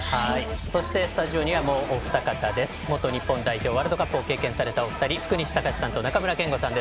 そしてスタジオにはもうお二方元日本代表でワールドカップを経験されたお二人福西崇史さん、中村憲剛さんです。